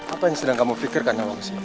apa yang sedang kamu pikirkan nih mas